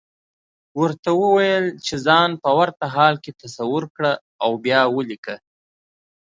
ورته وويل چې ځان په ورته حال کې تصور کړه او بيا وليکه.